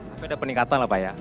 tapi ada peningkatan lah pak ya